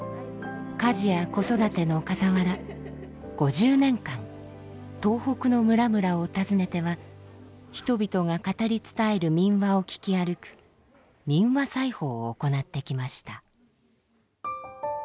家事や子育ての傍ら５０年間東北の村々を訪ねては人々が語り伝える民話をきき歩く「民話採訪」を行ってきました。